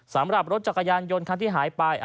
สำหรับรถจักรยานยนต์คันที่หายไป